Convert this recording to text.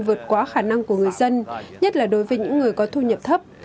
vượt quá khả năng của người dân nhất là đối với những người có thu nhập thấp